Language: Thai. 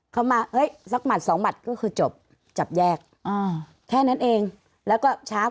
เขามาสักหมัด๒หมัดก็คือจบจับแยก